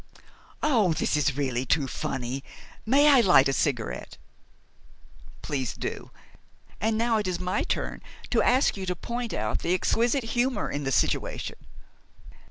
"Oh, this is really too funny. May I light a cigarette?" "Please do. And now it is my turn to ask you to point out the exquisite humor of the situation."